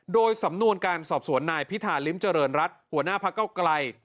โดยสำนวนการสอบสวนนายพิธาริมเจริญรัฐหัวหน้าพักเก้าไกล